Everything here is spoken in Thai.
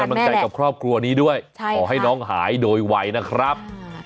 แล้วก็ให้กำลังใจกับครอบครัวนี้ด้วยให้น้องหายโดยวัยนะครับ